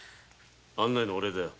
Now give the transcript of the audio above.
案内のお礼だよ。